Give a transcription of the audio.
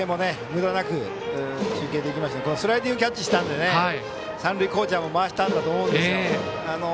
スライディングキャッチしたのでスライディングキャッチしたので三塁コーチャーも回したんだと思うんですよ。